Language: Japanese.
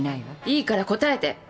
いいから答えて！